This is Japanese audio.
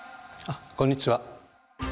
こんにちは。